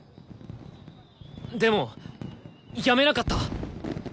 でも辞めなかった！